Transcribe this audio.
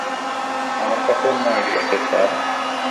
আমার কাছে অন্য আইডিয়া আছে, স্যার।